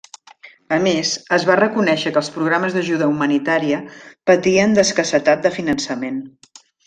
A més, es va reconèixer que els programes d'ajuda humanitària patien d'escassetat de finançament.